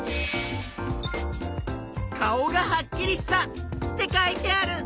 「顔がはっきりした」って書いてある！